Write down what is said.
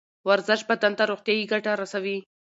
ورزش بدن ته روغتیایی ګټه رسوي